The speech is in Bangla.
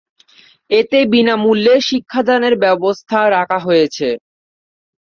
এতে বিনামূল্যের শিক্ষাদানের ব্যবস্থা রাখা হয়েছে।